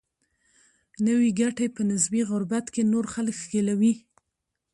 نوي ګټې په نسبي غربت کې نور خلک ښکېلوي.